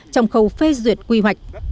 trong khâu phê duyệt quy hoạch